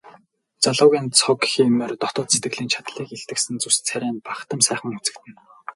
Залуугийн цог хийморь дотоод сэтгэлийн чадлыг илтгэсэн зүс царай нь бахдам сайхан үзэгдэнэ.